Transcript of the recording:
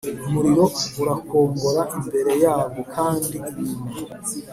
Umuriro urakongora imbere yabwo kandi inyuma